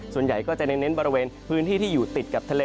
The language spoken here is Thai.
ส่วนใหญ่ก็จะเน้นบริเวณพื้นที่ที่อยู่ติดกับทะเล